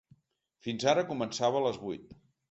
Fins ara començava a les vuit.